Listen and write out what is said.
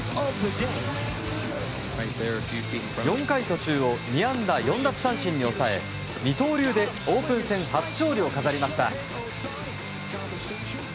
４回途中を２安打４奪三振に抑え二刀流で、オープン戦初勝利を飾りました。